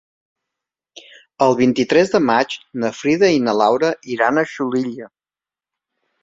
El vint-i-tres de maig na Frida i na Laura iran a Xulilla.